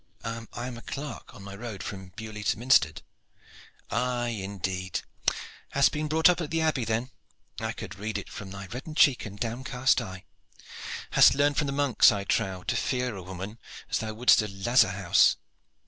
"I am a clerk on my road from Beaulieu to Minstead." "Aye, indeed! Hast been brought up at the Abbey then. I could read it from thy reddened cheek and downcast eye. Hast learned from the monks, I trow, to fear a woman as thou wouldst a lazar house.